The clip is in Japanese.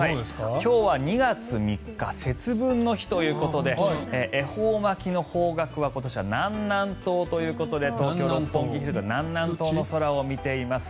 今日は２月３日節分の日ということで恵方巻きの方角は今年は南南東ということで東京・六本木ヒルズは南南東のお空を見ています。